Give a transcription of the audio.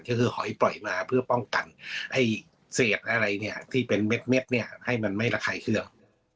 ก็คือหอยปล่อยมาเพื่อป้องกันให้เศษอะไรเนี่ยที่เป็นเม็ดเนี่ยให้มันไม่ระคายเครื่อง